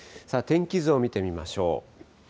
天気図を見てみましょう。